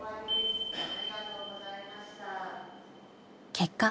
結果。